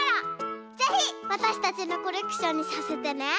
ぜひわたしたちのコレクションにさせてね。